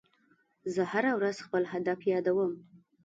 زه هره ورځ خپل هدف یادوم.